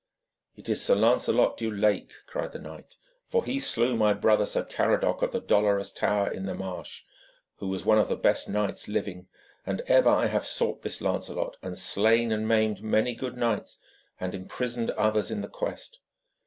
'It is Sir Lancelot du Lake,' cried the knight, 'for he slew my brother Sir Caradoc of the Dolorous Tower in the Marsh, who was one of the best knights living. And ever I have sought this Lancelot, and slain and maimed many good knights and imprisoned others in the quest.